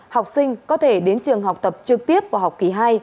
học sinh có thể đến trường học tập trực tiếp vào học kỳ hai